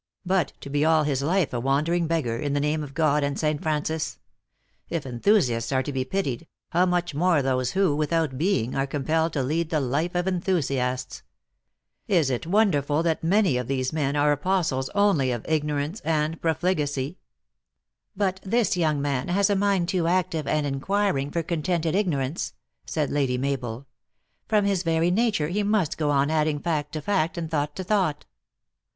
But, to be all his life a wandering beggar, in the name of God and St. Francis ! If enthusiasts are to be THE ACTRESS IN HIGH LIFE. 153 pitied, how much more those who, without being, are compelled to lead the life of enthusiasts ! Is it won derful that many of these men are apostles only of ignorance and profligacy ?" u But this young man has a mind too active and enquiring for contented ignorance," said Lady Mabel . "From his very nature he must go on adding fact to fact, and thought to thought."